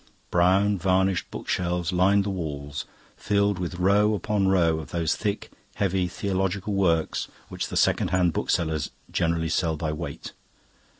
Brown varnished bookshelves lined the walls, filled with row upon row of those thick, heavy theological works which the second hand booksellers generally sell by weight.